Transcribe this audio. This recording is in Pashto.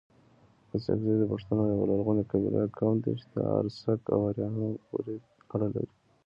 اڅکزي دپښتونو يٶه لرغوني قبيله، قوم دئ چي د ارڅک اريانو پوري اړه لري